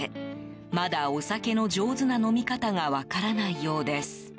まだお酒の上手な飲み方が分からないようです。